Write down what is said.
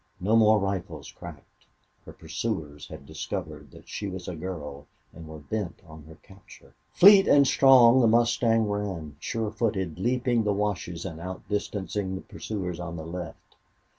No more rifles cracked. Her pursuers had discovered that she was a girl and were bent on her capture. Fleet and strong the mustang ran, sure footed, leaping the washes, and outdistancing the pursuers on the left.